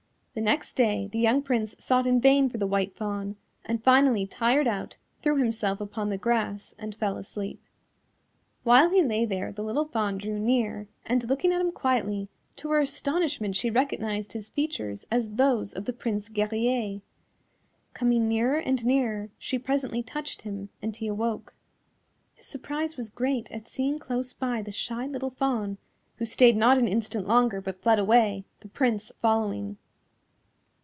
The next day the young Prince sought in vain for the White Fawn, and finally tired out threw himself upon the grass and fell asleep. While he lay there the little Fawn drew near and looking at him quietly, to her astonishment she recognised his features as those of the Prince Guerrier. Coming nearer and nearer she presently touched him and he awoke. His surprise was great at seeing close by the shy little Fawn, who stayed not an instant longer but fled away, the Prince following.